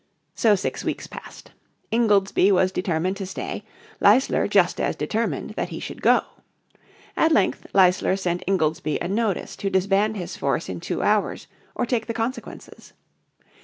So six weeks passed. Ingoldsby was determined to stay, Leisler just as determined that he should go. At length Leisler sent Ingoldsby a notice to disband his force in two hours, or take the consequences.